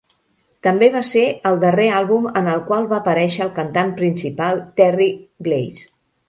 També va ser el darrer àlbum en el qual va aparèixer el cantant principal Terry Glaze.